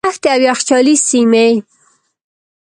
دښتې او یخچالي سیمې.